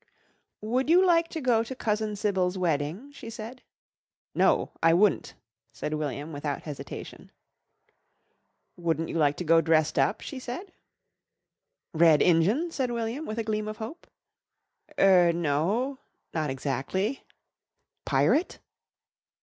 "Would you like to go to Cousin Sybil's wedding?" she said. "No, I wu'nt," said William without hesitation. "Wouldn't you like to go dressed up?" she said. "Red Injun?" said William with a gleam of hope. "Er no, not exactly." "Pirate?"